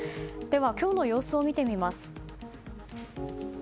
今日の様子を見てみます。